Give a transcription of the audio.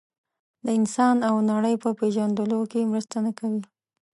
د انسان او نړۍ په پېژندلو کې مرسته نه کوي.